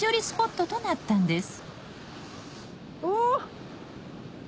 スポットとなったんですお！